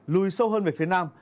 lùi sâu hơn về phía nam